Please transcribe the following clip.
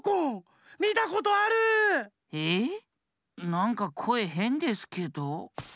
なんかこえへんですけど。